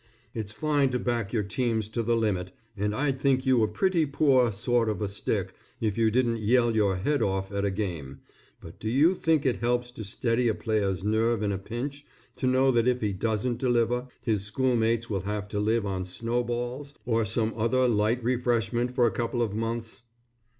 It's fine to back your teams to the limit, and I'd think you a pretty poor sort of a stick if you didn't yell your head off at a game, but do you think it helps to steady a players nerve in a pinch, to know that if he doesn't deliver, his schoolmates will have to live on snow balls or some other light refreshment for a couple of months.